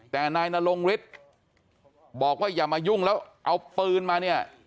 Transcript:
แต่นายนรงฤทธิ์บอกว่าอย่ามายุ่งแล้วเอาปืนมาเนี่ย